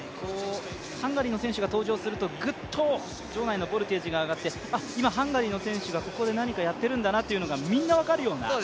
ハンガリーの選手が登場するとグッと会場のボルテージが上がってあっ、今ハンガリーの選手がここで何かやっているんだなっていうのがみんな分かるような。